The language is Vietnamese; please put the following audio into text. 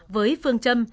với phương châm